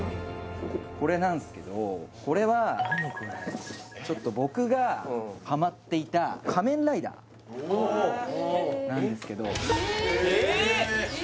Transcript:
これなんですけどこれは・何これちょっと僕がハマっていた仮面ライダーおおなんですけどえっ